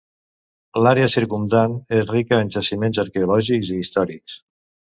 L'àrea circumdant és rica en jaciments arqueològics i històrics.